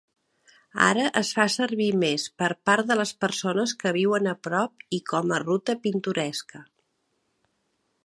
Ara es fa servir més per part de les persones que viuen a prop i com a ruta pintoresca.